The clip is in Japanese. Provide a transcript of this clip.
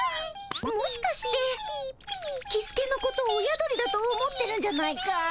もしかしてキスケのこと親鳥だと思ってるんじゃないかい？